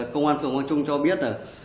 công an phường quang trung cho biết